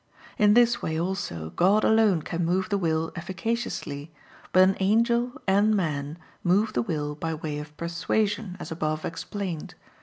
In this way also God alone can move the will efficaciously; but an angel and man move the will by way of persuasion, as above explained (Q.